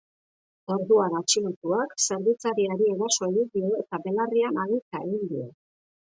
Orduan atxilotuak zerbitzariari eraso egin dio eta belarrian haginka egin dio.